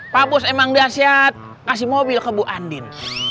pak pus emang dahsyat kasih mobil ke bu andin